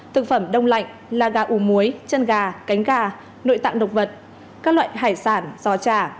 thực phẩm đông lạnh là gà ủ muối chân gà cánh gà nội tạng động vật các loại hải sản giò trà